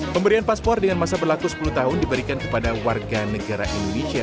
pemberian paspor dengan masa berlaku sepuluh tahun diberikan kepada warga negara indonesia